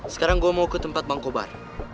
sekarang gue mau ke tempat bangko bar